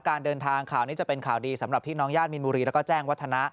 การเดินทางข่าวนี้จะเป็นข่าวดีสำหรับพี่น้องญาติมีนบุรีแล้วก็แจ้งวัฒนะ